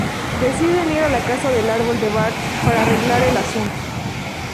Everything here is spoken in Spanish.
Deciden ir a la casa del árbol de Bart para arreglar el asunto.